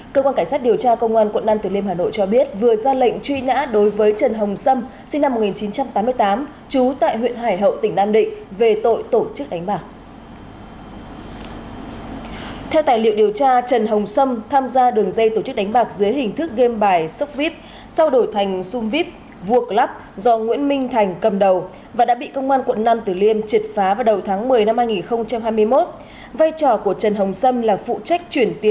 cơ quan công an đã yêu cầu đối tượng truy nã trần hồng sâm ra đầu thú để hưởng sự khoan hồng của pháp luật